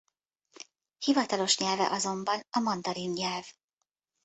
Hivatalos nyelve azonban a mandarin nyelv.